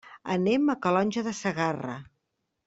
Anem a Calonge de Segarra.